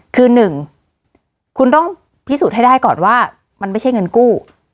คือ๑คุณต้องพิสูจน์ให้ได้ก่อนว่ามันไม่ใช่เงินกู้